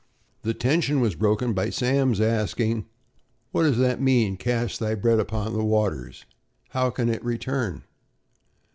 The tension was broken by Sam's asking: "What does that mean, 'Cast thy bread upon the waters' and how can it return?"